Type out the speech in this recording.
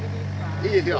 ・いいですよ。